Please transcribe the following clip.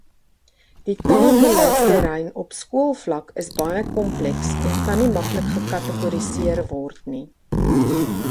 Die taalbeleidterrein op skoolvlak is baie kompleks en kan nie maklik gekategoriseer word nie.